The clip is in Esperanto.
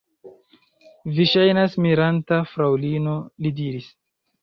Vi ŝajnas miranta, fraŭlino, li diris.